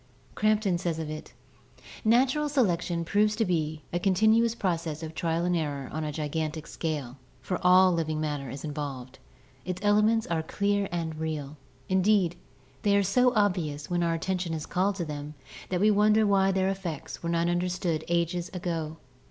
Crampton says of it: "Natural selection proves to be a continuous process of trial and error on a gigantic scale, for all of living matter is involved. Its elements are clear and real; indeed, they are so obvious when our attention is called to them that we wonder why their effects were not understood ages ago.